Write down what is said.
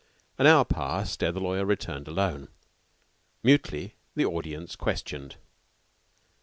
An hour passed ere the lawyer returned alone. Mutely the audience questioned.